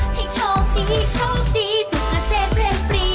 ให้ชอบดีชอบดีสุขเสพเลนปรี